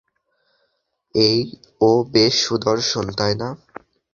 এই, ও বেশ সুদর্শন, তাই না?